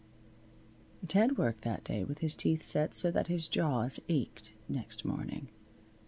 Ted worked that day with his teeth set so that his jaws ached next morning.